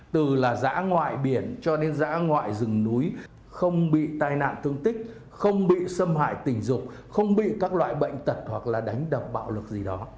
từ là giã ngoại biển cho đến giã ngoại rừng núi không bị tai nạn thương tích không bị xâm hại tình dục không bị các loại bệnh tật hoặc là đánh đập bạo lực gì đó